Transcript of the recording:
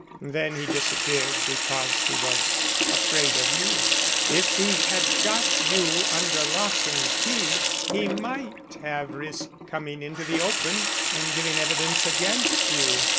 "Then he disappeared because he was afraid of you. If he had got you under lock and key he might have risked coming into the open and giving evidence against you.